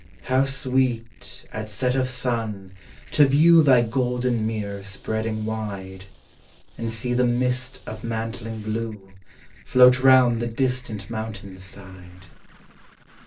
How sweet, at set of sun, to view Thy golden mirror spreading wide, And see the mist of mantling blue Float round the distant mountain's side.